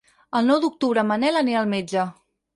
El nou d'octubre en Manel anirà al metge.